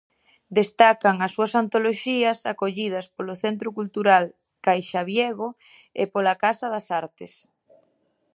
Destacan as súas antoloxías acollidas polo Centro Cultural Caixavigo e pola Casa das Artes.